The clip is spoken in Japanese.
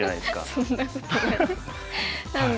そんなことないです。